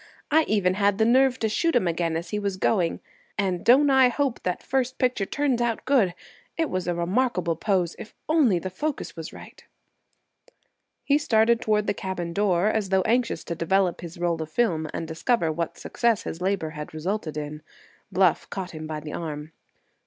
"I even had the nerve to shoot him again as he was going. And don't I hope that first picture turns out good! It was a remarkable pose, if only the focus was right." He started toward the cabin door as though anxious to develop his roll of film and discover what success his labor had resulted in. Bluff caught him by the arm.